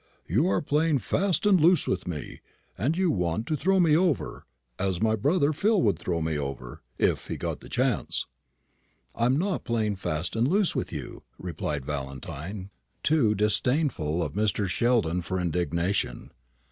You are playing fast and loose with me, and you want to throw me over as my brother Phil would throw me over, if he got the chance." "I am not playing fast and loose with you," replied Valentine, too disdainful of Mr. Sheldon for indignation.